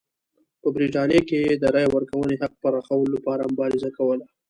په برېټانیا کې یې د رایې ورکونې حق پراخولو لپاره مبارزه کوله.